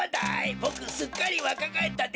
ボクすっかりわかがえったでしょ？